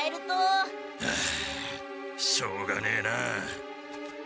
はあしょうがねえな。